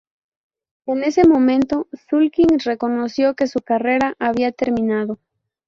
En ese momento, Sulkin reconoció que su carrera había terminado.